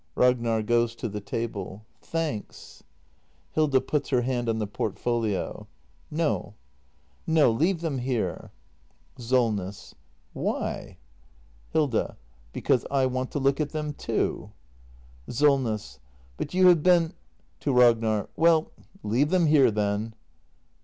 Ragnar. [Goes to the table.] Thanks. Hilda. [Puts her hand on the portfolio.] No, no; leave them here. Solness. Why? act ii] THE MASTER BUILDER 357 Hilda. Because I want to look at them, too. SOLNESS. But you have been [To Ragnar.] Well, leave them here, then.